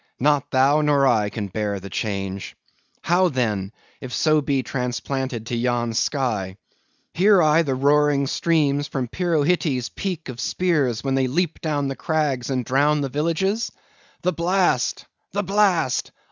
—not thou nor I can bear the change! How then, if so be transplanted to yon sky? Hear I the roaring streams from Pirohitee's peak of spears, when they leap down the crags and drown the villages?—The blast! the blast!